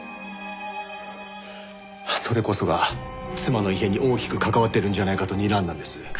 それこそが妻の異変に大きく関わってるんじゃないかとにらんだんです。